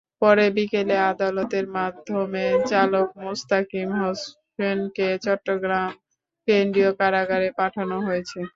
পরে বিকেলে আদালতের মাধ্যমে চালক মোস্তাকিম হোসেনকে চট্টগ্রাম কেন্দ্রীয় কারাগারে পাঠানো হয়েছে।